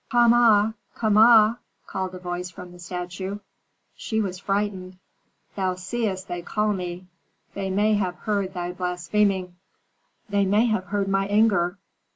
"Kama! Kama!" called a voice from the statue. She was frightened. "Thou seest they call me. They may have heard thy blaspheming." "They may have heard my anger."